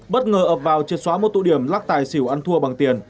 bất ngờ ập vào triệt xóa một tụ điểm lắc tài xỉu ăn thua bằng tiền